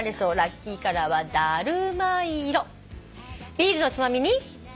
「ビールのつまみに」